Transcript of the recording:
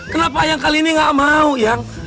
kenapa yang kali ini gak mau yang